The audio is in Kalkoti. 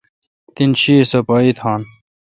تین شی اؘ صفائی تھان۔